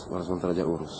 baru sementara aja urus